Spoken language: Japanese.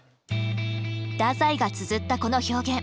太宰がつづったこの表現。